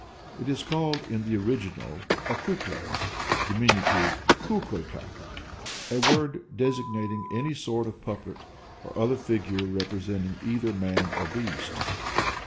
It is called in the original a Kùkla (dim. Kùkolka), a word designating any sort of puppet or other figure representing either man or beast.